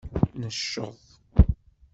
Necceḍ.